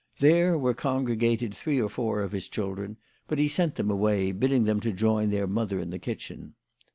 There were con gregated three or four of his children, but he sent them away, bidding them join their mother in the kitchen.